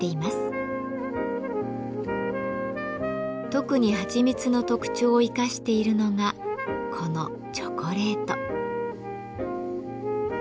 特にはちみつの特徴を生かしているのがこのチョコレート。